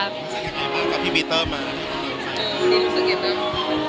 สังเกตกับพี่บีเติร์มมามีรู้สึกยังไงบ้าง